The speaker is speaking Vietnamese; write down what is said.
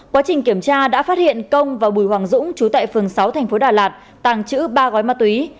quá trình kiểm tra đã phát hiện công và bùi hoàng dũng chú tại phường sáu thành phố đà lạt tàng trữ ba gói ma túy